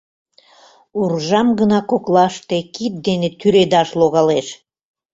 Уржам гына коклаште кид дене тӱредаш логалеш.